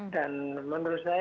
dan menurut saya